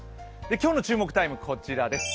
今日の注目タイムはこちらです。